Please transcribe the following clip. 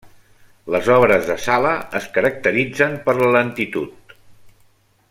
Les obres de Sala es caracteritzen per la lentitud.